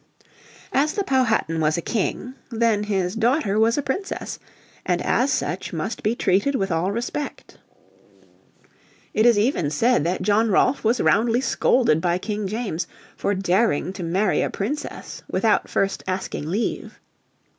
As the Powhatan was a king then his daughter was a princess, and as such must be treated with all respect. It is even said that John Rolfe was roundly scolded by King James for daring to marry a princess without first asking leave.